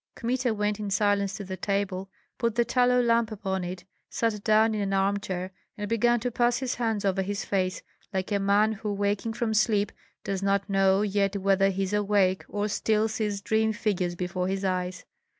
Kmita went in silence to the table, put the tallow lamp upon it, sat down in an armchair, and began to pass his hands over his face like a man who waking from sleep does not know yet whether he is awake or still sees dream figures before his eyes.